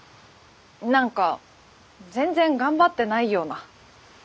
何か全然頑張ってないような。